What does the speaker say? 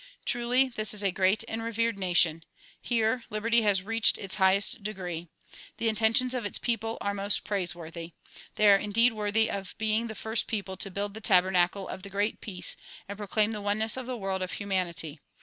Truly this is a great and revered nation. Here liberty has reached its highest degree. The intentions of its people are most praiseworthy. They are indeed worthy of being the first people to build the tabernacle of the great peace and proclaim the oneness of the world of hu manity.